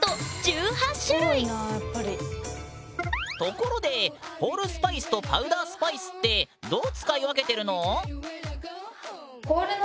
ところでホールスパイスとパウダースパイスってどう使い分けてるの？